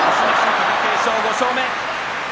貴景勝、５勝目。